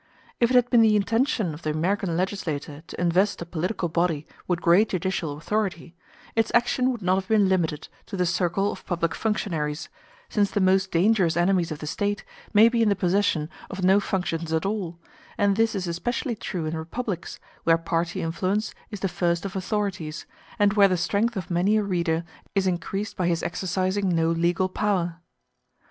If it had been the intention of the American legislator to invest a political body with great judicial authority, its action would not have been limited to the circle of public functionaries, since the most dangerous enemies of the State may be in the possession of no functions at all; and this is especially true in republics, where party influence is the first of authorities, and where the strength of many a reader is increased by his exercising no legal power.